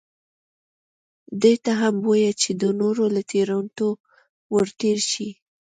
ده ته هم بویه چې د نورو له تېروتنو ورتېر شي.